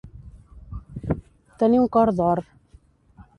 Tenir un cor d'or.